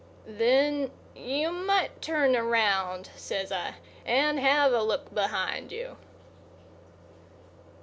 "Then you might turn around," says I, "and have a took behind you."